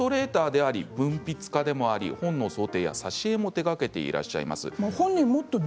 イラストレーターであり文筆家でもあり本の装丁や挿絵も手がけていらっしゃいます。